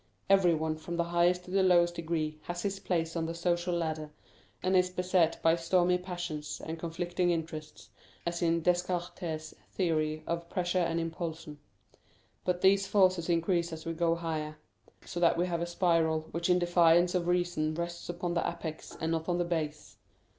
Everyone, from the highest to the lowest degree, has his place on the social ladder, and is beset by stormy passions and conflicting interests, as in Descartes' theory of pressure and impulsion. But these forces increase as we go higher, so that we have a spiral which in defiance of reason rests upon the apex and not on the base.